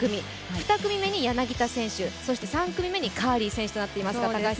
２組目に柳田選手、そして３組目にカーリー選手となっていますが。